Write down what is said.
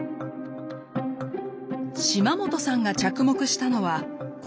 島本さんが着目したのはこの線。